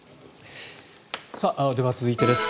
では、続いてです。